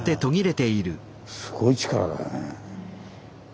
すごい力だね。